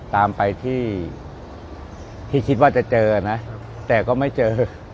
ตามไปที่คิดว่าจะเจอนะแต่ก็ไม่เจอ